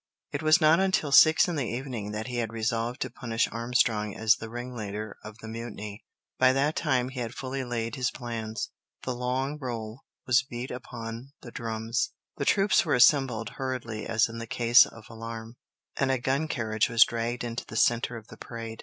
It was not until six in the evening that he had resolved to punish Armstrong as the ringleader of the mutiny. By that time he had fully laid his plans. The "long roll" was beat upon the drums, the troops were assembled hurriedly as in the case of alarm, and a gun carriage was dragged into the centre of the parade.